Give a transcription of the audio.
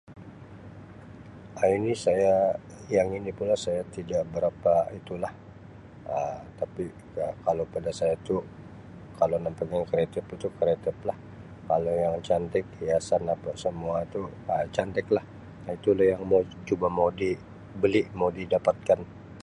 Um Ini saya yang ini pula saya tidak berapa itu lah Um tapi tidak kalau pada saya tu kalau nampak yang kreatif [unintelligible] kreatif lah kalau yang cantik hiasan apa semua tu Um cantik lah itu lah yang mau cuba dibeli mau didapatkan.